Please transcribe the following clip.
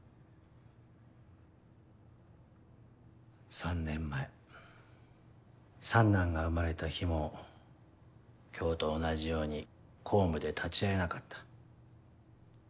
３年前三男が生まれた日も今日と同じように公務で立ち会えなかった。